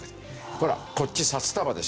ほらこっち札束でしょ。